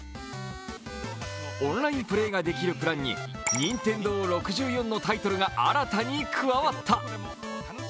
オンラインプレーができるプランにＮＩＮＴＥＮＤＯ６４のタイトルが新たに加わった。